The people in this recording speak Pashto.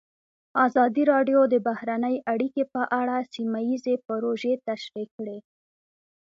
ازادي راډیو د بهرنۍ اړیکې په اړه سیمه ییزې پروژې تشریح کړې.